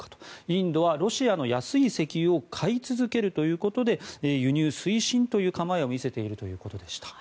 インドはロシアの安い石油を買い続けるということで輸入推進という構えを見せているということでした。